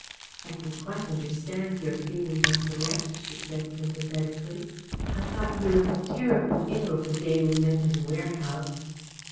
"I can quite understand your feeling like a rest," she said sympathetically. "I thought you looked terribly ill the day we met in the warehouse."